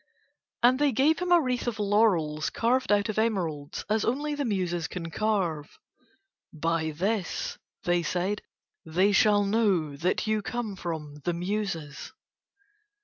And they gave him a wreath of laurels carved out of emeralds as only the Muses can carve. "By this," they said, "they shall know that you come from the Muses."